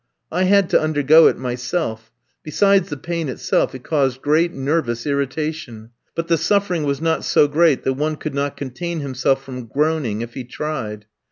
I had to undergo it myself; besides the pain itself, it caused great nervous irritation; but the suffering was not so great that one could not contain himself from groaning if he tried.